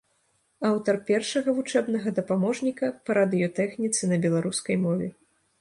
Аўтар першага вучэбнага дапаможніка па радыётэхніцы на беларускай мове.